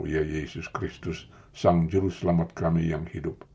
ya yesus kristus sang juru selamat kami yang hidup